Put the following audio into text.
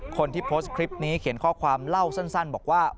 คนที่โพสต์คลิปนี้เขียนข้อความเล่าสั้นบอกว่า